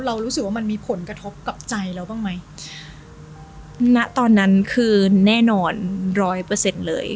รู้สึกว่ามันมีผลกระทบกับใจเราบ้างไหมณตอนนั้นคือแน่นอนร้อยเปอร์เซ็นต์เลย